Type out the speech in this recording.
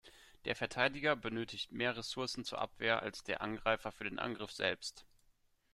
Der Verteidiger benötigt mehr Ressourcen zur Abwehr als der Angreifer für den Angriff selbst.